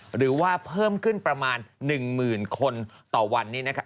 หรือว่าเพิ่มขึ้นประมาณ๑หมื่นคนต่อวันนี้นะครับ